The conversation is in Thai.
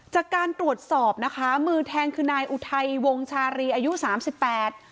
จากการตรวจสอบนะคะมือแทงคือนายอุทัยวงชารีอายุสามสิบแปด